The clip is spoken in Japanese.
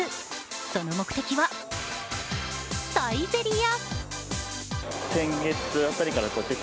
その目的は、サイゼリヤ。